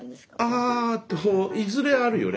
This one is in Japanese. あといずれあるよね。